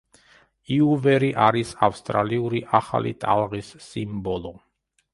უივერი არის ავსტრალიური ახალი ტალღის სიმბოლო.